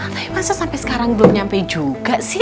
tapi masa sampai sekarang belum nyampe juga sih